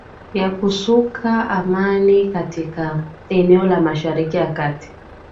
ya kusaka amani katika eneo la mashariki ya kati